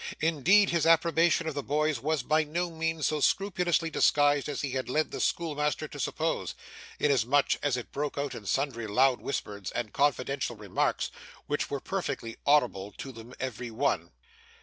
Indeed, his approbation of the boys was by no means so scrupulously disguised as he had led the schoolmaster to suppose, inasmuch as it broke out in sundry loud whispers and confidential remarks which were perfectly audible to them every one.